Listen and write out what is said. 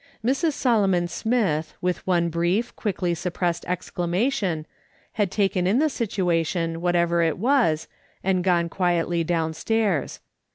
Mrs. Solomon Smith, with one brief, quickly sup pressed exclamation, had taken in the situation, whatever it was, and gone quietly downstairs.